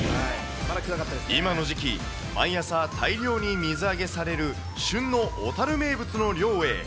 今の時期、毎朝、大量に水揚げされる旬の小樽名物の漁へ。